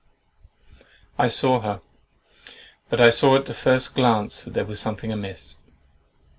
I saw her, but I saw at the first glance that there was something amiss.